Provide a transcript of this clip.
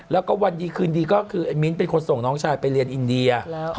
แล้วก็วันดีคืนดีก็คือไอ้มิ้นเป็นคนส่งน้องชายไปเรียนอินเดีย